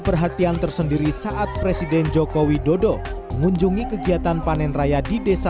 perhatian tersendiri saat presiden joko widodo mengunjungi kegiatan panen raya di desa